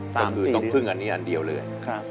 ก็คือต้องพึ่งอันนี้อันเดียวเลย